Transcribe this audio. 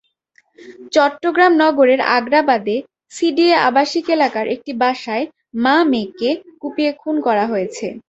চট্টগ্রাম নগরের আগ্রাবাদে সিডিএ আবাসিক এলাকার একটি বাসায় মা-মেয়েকে কুপিয়ে খুন করা হয়েছে।